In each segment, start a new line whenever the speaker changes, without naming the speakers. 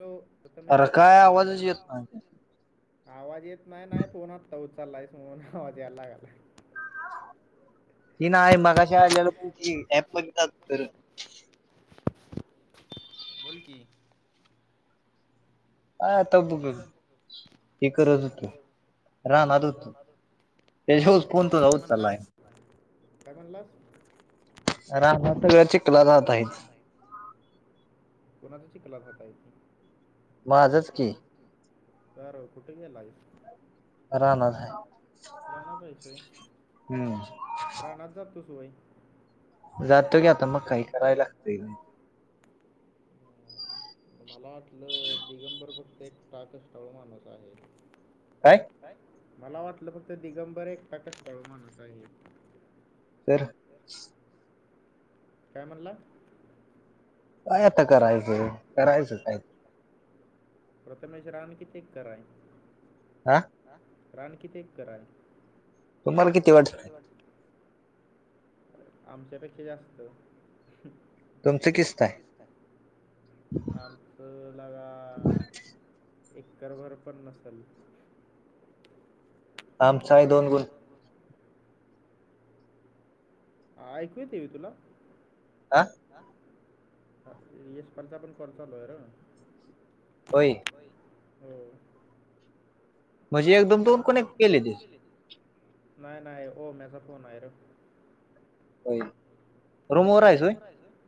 Hello Prathamesh. आवाज येत नाही नाही फोनात आत्ता उचाललायस म्हणून आवाज यायला लागलाय.
ति नाही मगाशल्याला पण ती ऍप [unintelligible] बघतात तर
बोल की.
काय आता बोलू हे कर होतो रानात होतो. तेच्याच फोन तुझा उचालाय.
काय म्हणलास.
ह हा [unintelligible] सगळ्या चिकला जात आहेत
कोणाचा चिकलाच हात आहेत. कार कुठे गेलायस. रानात हाय इथं.
जातो की मग काही करायला लागतंय.
मला वाटलं दिगंबर फक्त एकटा टाळू माणूस आहे.
काय.
मला वाटलं फक्त दिगंबर एकटा कष्टाळू माणूस आहे.
तर.
काय म्हणला.
काय आता करायचंय करायचं हाय.
प्रथमेश रान कितीे एकर आहे.
आ.
रान किती एकर आहे.
तुम्हाला किती वाटतय.
आमच्यापेक्षा जास्त. आमचं लागा एकरभर पण नसेल.
आमचा आहे दोन गुण
हा ऐकूयाेत का तुला.
आ.
ह एस पर चा कॉल चालू आहेर.
होय.
ह.
म्हणजे एकदम दोन कनेक्ट केल्यातस.
नाही नाही ओम्याचा फोन आहेर.
हो.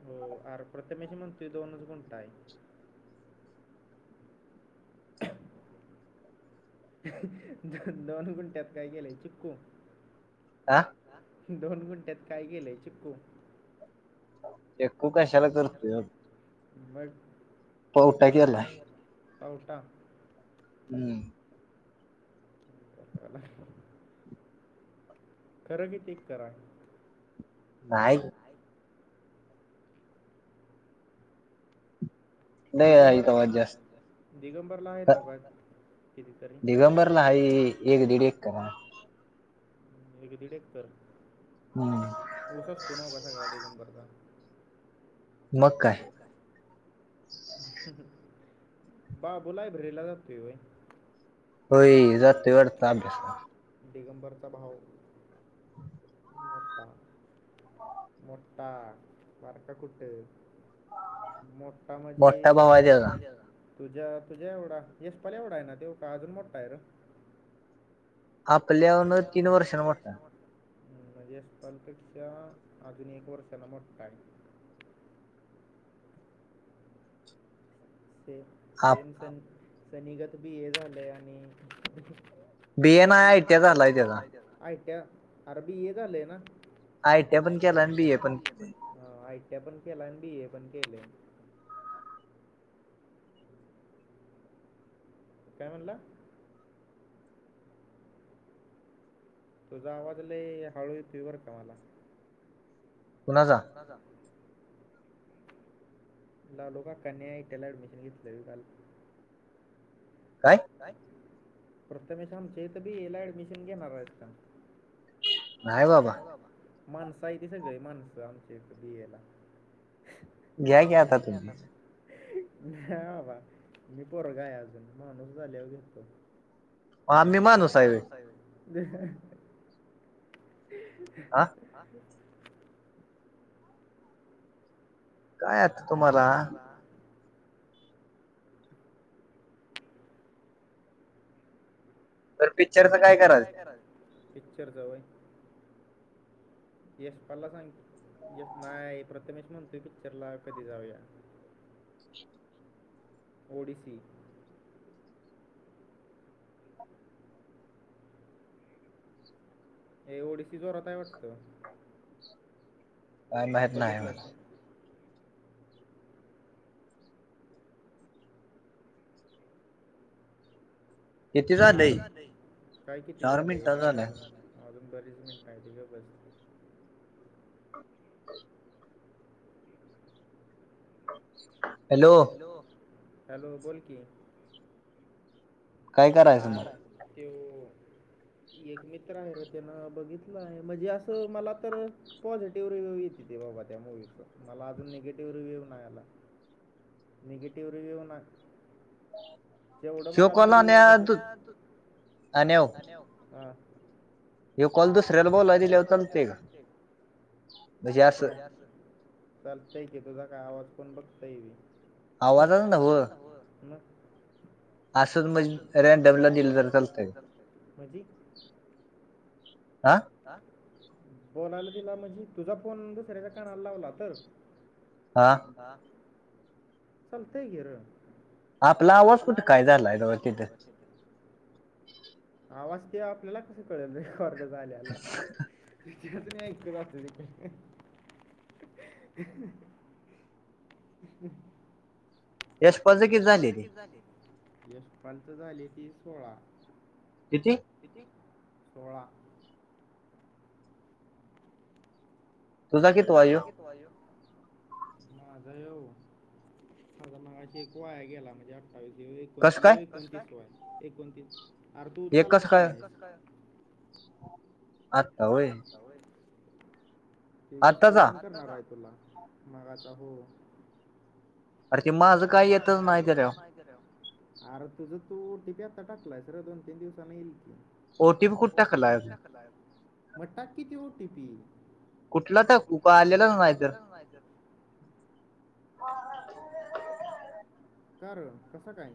हो र प्रथमेश म्हणत दोनच गुंता आहे. [inaudible] दोन गुंट्यात काय केलंय चिक्कू.
आ.
दोन घंट्यात काय गेलंय चिक्कू.
चिक्कू कशाला करतोय.
पावटा केलाय.
हम्म.
त्याताला [inaudible] खरं किती एकर हाय.
नाहीय. नाही [unintelligible] आई आज जास्त
दिगंबर ला आहे नव का.
दिगंबरला ही एक दीड एकर हाय.
एक दीड एकर
हम्म.
उस असतो नव्ह का सगळा दिगंबर चा.
मग काय
अ ह ह बाबु लायब्ररी ला जातोय वय?
होई जातोय वाटत अभ्यास कराय.
दिगंबरचा भाव मोटा. मोटा बारका कुट मोट मोटा म्हजी मोटा भाव हाय त्यजा. तुझ्या तुझ्या एवढा यशपाल एवढा आहे ना त्यो का अजून मोठाय र.
आपल्यान तीन वर्षांन मोठाय.
हं म्हणजे यशपालपेक्षा अजून एक वर्षानं मोटायं. ते सेम सन सनिगत बी ए झालंय आणि बी ए नाय आय टी आय झालाय त्याजा आय टी आ आर बी ए झालाय ना. आयटी आय पण केलाय आण बीए पण हा आयटी पण केला आणि बीए पण केलय. काय म्हणला? तुझा आवाज लई हळू येतुय बर का मला.
पुणा जा.
पुना जा. लालो काकांनी आय टी आय ला ऍडमिशन घेतलय वय काल.
काय?
काय प्रथमेश आमच्या इथं बी ए ला अॲडमिशन घेणार आहेस का? हाय बाबा. माणसं आएती सगळी माणसं आमच्या इथ बिएला. या कि आता मंग हं नाय आबा मी पोरगाय अजून माणूस झाल्यावर घेतो.
म आम्ही माणूस आय वय?
अ हं ह. ई ह.
आ
आ
काय आ
काय आता तुम्हाला [inaudible]
बर पिक्चरचं काय करायचंय?
पिक्चरचं वय यशपालला सांग येत नाय प्रथमेश म्हणतोय पिक्चर ला कधी जाऊया? ओडीसी. हे ओडीसी जोरातय वाटतं.
काय माहीत नाही मला.
हर काय किती झालंय हाय अजून अजून बरीच मिनट हायती गप बस.
[inaudible] हॅलो
हॅलो हॅलो बोल की. आर त्यो एक मित्र आहे र त्यान बघितलाय म्हणजे असं मला तर पॉझिटिव्ह रिव्हू येति ते बाबा त्या मुव्हीचा मला अजून निगेटिव्ह रिव्ह्यू नाही आला. निगेटिव्ह रिव्ह्यू ना जेवढं मला मी रि [unintelligible] [unintelligible] चालतय की तुझा काय आवाज कोण बघतय व्हय.
असंच म्हणज रँडमला दिलं तर चालतय. हा.
ह बोलायला दिला म्हणजे तुझा फोन दुसऱ्याच्या कानाला लावला तर
हा.
हा चालतंय की र.
आपला आवाज कुठे काय झालाय तिथे.
आवाज ते आपल्याला कसं कळेल रे कर्ड झालेला. [unintelligible] [unintelligible]
[unintelligible]
यशपालचे झाले तीन सोडा.
किती?
किती सोडा. तुझा कितवा ये ह्यो. माझा ह्यो एक वया गेला म्हणजे अठ्ठावीस ये णती ये एकोणतीसो आहे एकोणतीस अर तो उचचाललाच नाही.
[inaudible]
[unintelligible] मग आता हो.
अरे ते माझं काही येतच नाही की राव.
[unintelligible] अर तुझं तू टिपी आत्ता टाकलायस रे दोन तीन दिवसांनी ईल की. ओ टी पी कोणत टाकला आहे मग टाक कि ती ओ टी पी.
कुठलात उख आलेलं हायतं.
[unintelligible] कार कसं काय?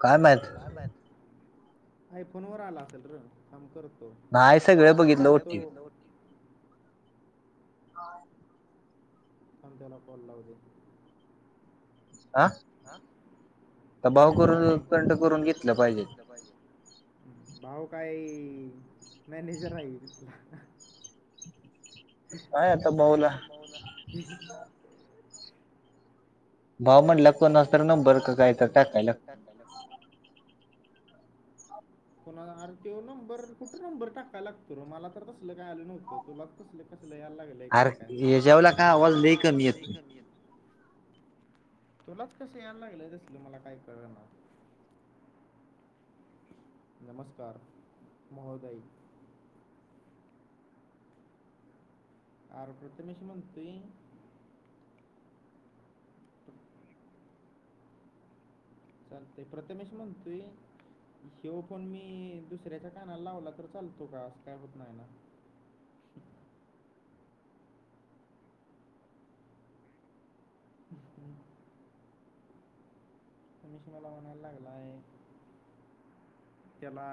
काय माहीत.
काय माहित आयफोनवर आला असेल र. काम करतो. [unintelligible] थांब त्याला कॉल लावू दे.
आं.
[unintelligible] थंड करून घेतल पाहिजे. भाऊ काही मॅनेजर मॅनेजर राहील. काय आता पाहुणा.
भाऊ म्हणला कोणाला नंबर का काय तरी टाकायला.
[unintelligible] कोणार तेो नंबर कुठं नंबर टाकाय लागतो र मला तर तसलं काय आलं नव्हतं तुला कसले कसला यायला लागल. [unintelligible] आर जेवला का आवाज लय कमी येतो. तुलाच कस यायला लागेल दिसल मला काय कळ ना. नमस्कार महोदय. आर प्रथमेशी म्हणंतय [unintelligible] चालतय प्रथमेशी म्हणतोय हेव फोन मी दुसऱ्याच्या कानाला लावला तर चालतो का असं काय होत नाही ना. [unintelligible] मशी मला म्हणायला लागला आहे त्याला